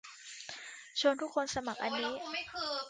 ชวนทุกคนสมัครอันนี้